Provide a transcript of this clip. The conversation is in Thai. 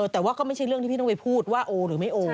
แต่ว่าก็ไม่ใช่เรื่องที่พี่ต้องไปพูดว่าโอหรือไม่โอ